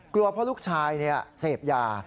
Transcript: กลัวเพราะลูกชายเสพยา